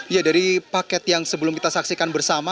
ya dari paket yang sebelum kita saksikan bersama